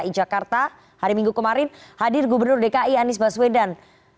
dki jakarta hari minggu kemarin hadir gubernur dki anies baswedan